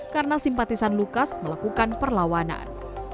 karena simpatisan lukas melakukan perlawanan